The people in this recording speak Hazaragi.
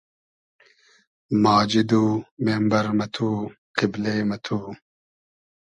ماجید و مېمبئر مہ تو , قیبلې مہ تو